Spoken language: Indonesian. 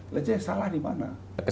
lajanya salah di mana